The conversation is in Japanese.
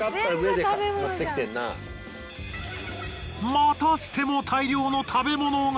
またしても大量の食べ物が。